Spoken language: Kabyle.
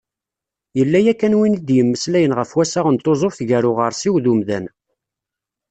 Yella yakan win d-yemmeslayen ɣef wassaɣ n tuzuft gar uɣersiw d umdan.